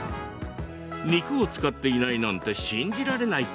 肉を使っていないなんて信じられない！